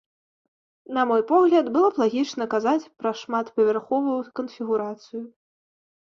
На мой погляд, было б лагічна казаць пра шматпавярховую канфігурацыю.